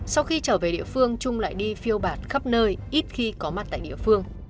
sau khi trở về địa phương trung lại đi phiêu bạc khắp nơi ít khi có mặt tại địa phương